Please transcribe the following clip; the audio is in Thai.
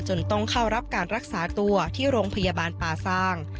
ต้องเข้ารับการรักษาตัวที่โรงพยาบาลป่าซาง